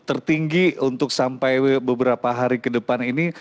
tertinggi untuk sampai beberapa hari ke depan ini